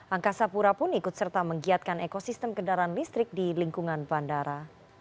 angkasa pura pun ikut serta menggiatkan ekosistem kendaraan listrik di lingkungan bandara